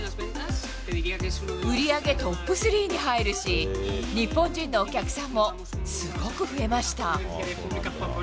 売り上げトップ３に入るし、日本人のお客さんもすごく増えました。